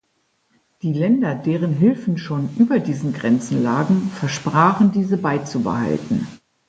Die Länder, deren Hilfen schon über diesen Grenzen lagen, versprachen, diese beizubehalten.